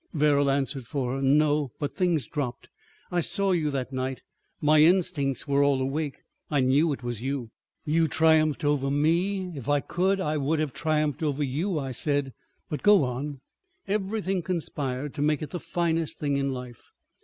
Verrall answered for her. "No. But things dropped; I saw you that night, my instincts were all awake. I knew it was you." "You triumphed over me? ... If I could I would have triumphed over you," I said. "But go on!" "Everything conspired to make it the finest thing in life.